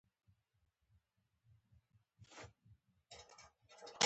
ګروپي يا ډلييز ميتود: